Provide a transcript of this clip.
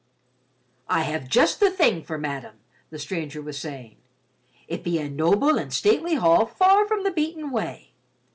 "I have just the thing for madame," the stranger was saying. "It be a noble and stately hall far from the beaten way.